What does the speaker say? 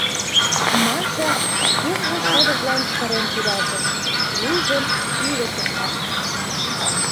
Маша шкенжын шыдыжлан сырен кудалтыш, вуйжым ӱлыкӧ сакыш.